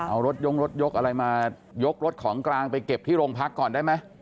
เอารถยงรถยกอะไรมายกรถของกลางไปเก็บที่โรงพักก่อนได้ไหม